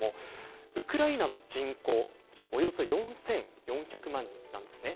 ウクライナの人口はおよそ４４００万人なんです。